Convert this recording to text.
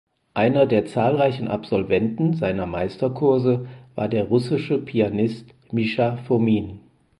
Einer der zahlreichen Absolventen seiner Meisterkurse war der russische Pianist Misha Fomin.